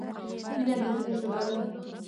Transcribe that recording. • مینه د زړۀ ژبه ده.